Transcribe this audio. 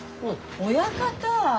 親方！